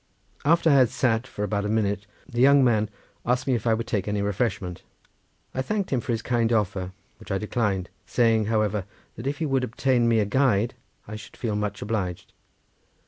After I had sat for about a minute the young man asked me if I would take any refreshment. I thanked him for his kind offer, which I declined, saying, however, that if he would obtain me a guide I should feel much obliged.